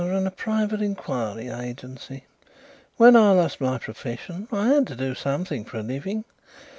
"I run a private inquiry agency. When I lost my profession I had to do something for a living.